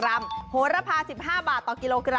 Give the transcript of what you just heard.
ราภา๑๕บาทต่อกก